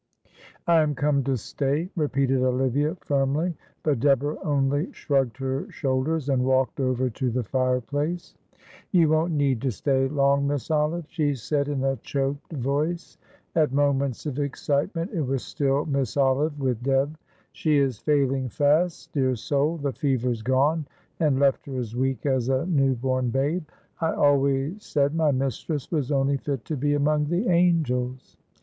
"I am come to stay," repeated Olivia, firmly; but Deborah only shrugged her shoulders and walked over to the fireplace. "You won't need to stay long, Miss Olive," she said, in a choked voice at moments of excitement it was still "Miss Olive" with Deb "she is failing fast, dear soul; the fever's gone and left her as weak as a new born babe. I always said my mistress was only fit to be among the angels!"